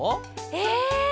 え？